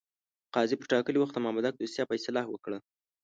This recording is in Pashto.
قاضي پر ټاکلي وخت د مامدک دوسیه فیصله کړه.